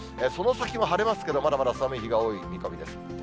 その先も晴れますけど、まだまだ寒い日が多い見込みです。